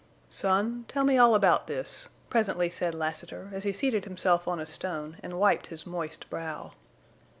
"Son, tell me all about this," presently said Lassiter as he seated himself on a stone and wiped his moist brow.